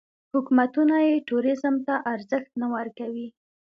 حکومتونه یې ټوریزم ته ارزښت نه ورکوي.